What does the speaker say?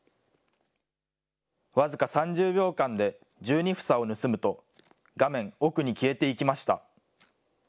僅か３０秒間で、１２房を盗むと、画面奥に消えていきました。